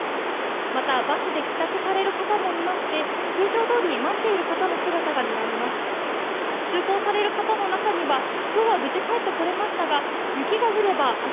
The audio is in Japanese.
また、バスで帰宅される方もいまして、通常どおり、待っている方の姿も見られます。